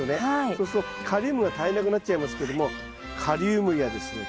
そうするとカリウムが足りなくなっちゃいますけどもカリウムやですね